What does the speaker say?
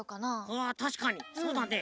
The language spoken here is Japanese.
あたしかにそうだね。